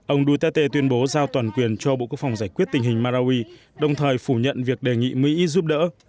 ông duterte tuyên bố giao toàn quyền cho bộ quốc phòng giải quyết tình hình marawi đồng thời phủ nhận việc đề nghị mỹ giúp đỡ